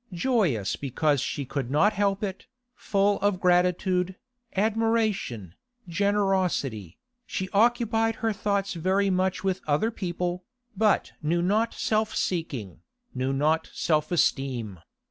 Joyous because she could not help it, full of gratitude, admiration, generosity, she occupied her thoughts very much with other people, but knew not self seeking, knew not self esteem.